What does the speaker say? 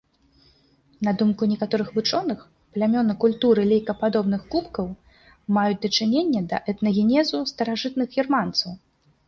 На думку некаторых вучоных, плямёны культуры лейкападобных кубкаў маюць дачыненне да этнагенезу старажытных германцаў.